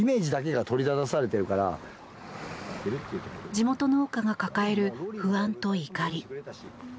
地元農家が抱える不安と怒り。